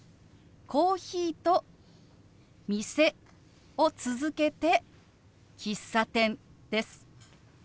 「コーヒー」と「店」を続けて「喫茶店」です。